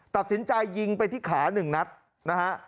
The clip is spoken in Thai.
ตัดสินใจยิงไปที่ขา๑นัดนะฮะ